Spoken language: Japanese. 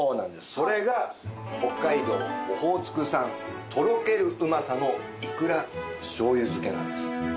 それが北海道オホーツク産とろけるうまさのいくら醤油漬けなんです。